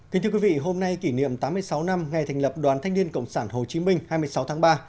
thưa quý vị hôm nay kỷ niệm tám mươi sáu năm ngày thành lập đoàn thanh niên cộng sản hồ chí minh hai mươi sáu tháng ba